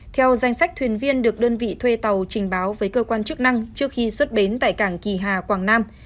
theo danh sách thuyền viên được đơn vị thuê tàu trình báo với cơ quan chức năng trước khi xuất bến tại cảng kỳ hà quảng nam